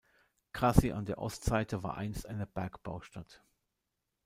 Grassy an der Ostseite war einst eine Bergbaustadt.